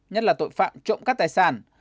nhất là tội phạm trộm cắp tài sản